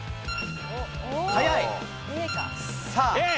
早い。